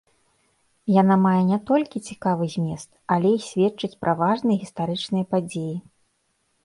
Яна мае не толькі цікавы змест, але і сведчыць пра важныя гістарычныя падзеі.